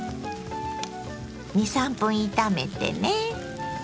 ２３分炒めてね。